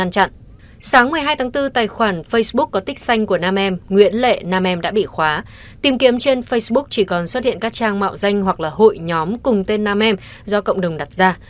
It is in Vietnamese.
các trang mạo danh hoặc hội nhóm cùng tên nam em do cộng đồng đặt ra